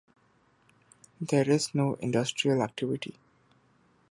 There is no industrial activity.